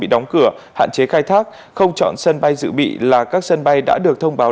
đóng cửa hạn chế khai thác không chọn sân bay dự bị là các sân bay đã được thông báo